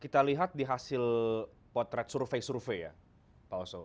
jadi itu dihasil potret survei survei ya pak ustaz